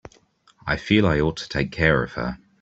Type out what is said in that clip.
I feel I ought to take care of her.